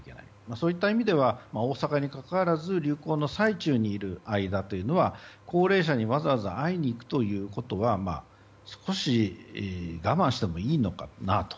そういった意味では大阪にかかわらず流行の最中にいる間は高齢者にわざわざ会いに行くということは少し、我慢してもいいのかなと。